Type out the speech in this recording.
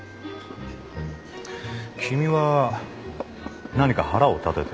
君は何か腹を立てているのか？